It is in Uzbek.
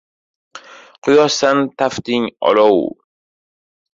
Quyoshsan tafting — olov